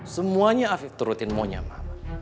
semuanya afif turutin maunya pak